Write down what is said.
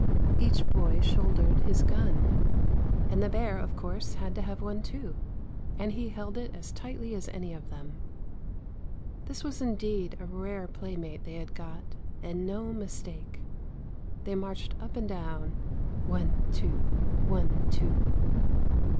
Each boy shouldered his gun, and the WHAT THE MOON SAW 261 bear, of course, had to have one too, and he held it as tightly as any of them. This was indeed a rare playmate they had got, and no mistake. They marched up and down, ' one, two ; one, two